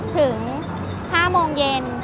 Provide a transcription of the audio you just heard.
ถึง๕โมงเย็น